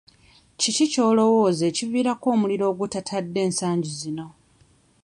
Kiki ky'olowooza ekiviirako omuliro ogutatadde ensangi zino.